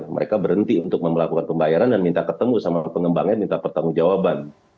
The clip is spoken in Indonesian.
mereka berhenti untuk melakukan pembayaran dan minta ketemu sama pengembangnya minta pertanggung jawaban